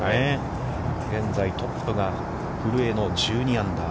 現在、トップが古江の１２アンダー。